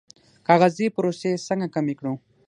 کاغذي پروسې څنګه کمې کړو؟